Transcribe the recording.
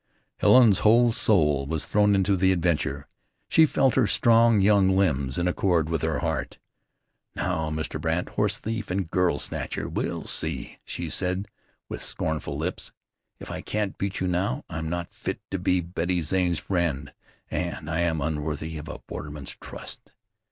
Helen's whole soul was thrown into the adventure. She felt her strong young limbs in accord with her heart. "Now, Mr. Brandt, horse thief and girl snatcher, we'll see," she said with scornful lips. "If I can't beat you now I'm not fit to be Betty Zane's friend; and am unworthy of a borderman's trust."